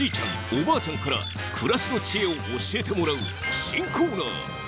おばあちゃんから暮らしの知恵を教えてもらう新コーナー。